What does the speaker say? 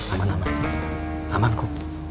aman aman amanku